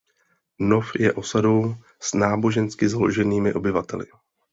Nov je osadou s nábožensky založenými obyvateli.